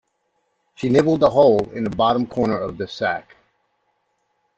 She nibbled a hole in the bottom corner of the sack.